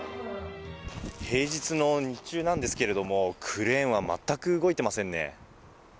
平日の日中なんですけれども、クレーンは全く動いていませんね。